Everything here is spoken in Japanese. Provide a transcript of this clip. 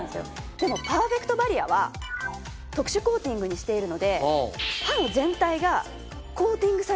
でもパーフェクトバリアは特殊コーティングにしているので刃の全体がコーティングされてる状態なんです。